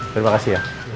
terima kasih ya